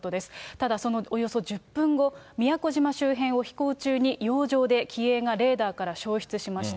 ただそのおよそ１０分後、宮古島周辺を飛行中に洋上で機影がレーダーから消失しました。